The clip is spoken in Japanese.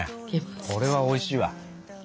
これはおいしいわ。